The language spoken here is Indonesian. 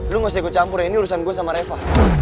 lo gak usah ikut campur ya ini urusan gue sama reva